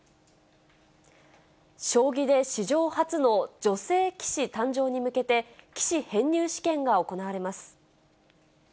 将棋で史上初の女性棋士誕生に向けて、棋士編入試験が行われます。